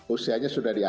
usianya sudah diambil